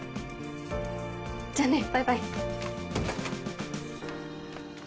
じゃあね。バイバイ。